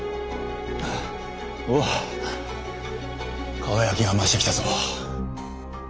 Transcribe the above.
ハァおお輝きが増してきたぞ！